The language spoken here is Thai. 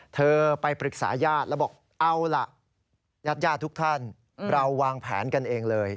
เธอไปปรึกษาญาติแล้วบอกเอาล่ะญาติทุกท่านเราวางแผนกันเองเลย